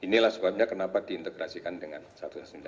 nah inilah sebabnya kenapa diintegrasikan dengan satu s sembilan